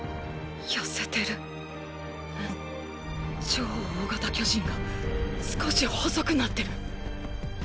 超大型巨人が少し細くなってる。